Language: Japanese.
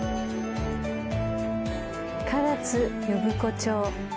唐津呼子町。